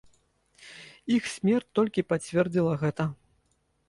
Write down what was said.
Іх смерць толькі пацвердзіла гэта.